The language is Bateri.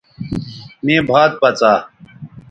مے بھات پڅا